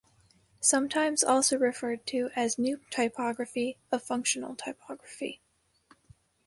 Sometimes also referred to as "New Typography" of "Functional Typography".